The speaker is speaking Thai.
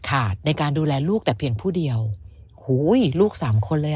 ขาดในการดูแลลูกแต่เพียงผู้เดียวหูยลูกสามคนเลย